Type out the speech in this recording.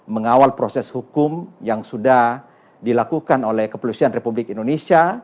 mengawal proses hukum yang sudah dilakukan oleh kepolisian republik indonesia